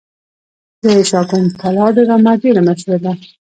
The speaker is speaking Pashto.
د شاکونتالا ډرامه ډیره مشهوره ده.